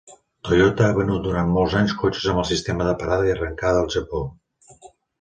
Toyota ha venut durant molts anys cotxes amb el sistema de parada i arrencada al Japó.